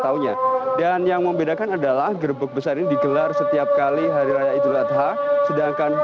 tahunnya dan yang membedakan adalah gerbuk besar dikelar setiap kali hari raya idul adha sedangkan